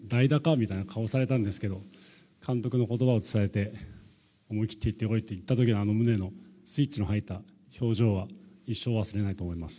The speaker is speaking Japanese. みたいな顔されたんですが監督の言葉を伝えて思い切っていってこいと言った時の、あのムネのスイッチ君の入った表情は一生忘れないと思います。